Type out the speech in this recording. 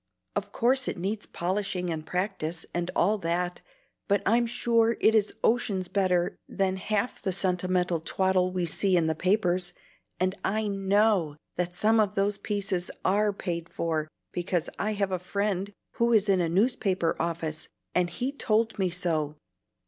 "Of course it needs polishing and practice and all that; but I'm sure it is oceans better than half the sentimental twaddle we see in the papers, and I KNOW that some of those pieces ARE paid for, because I have a friend who is in a newspaper office, and he told me so.